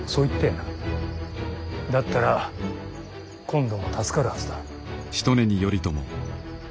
だったら今度も助かるはずだ。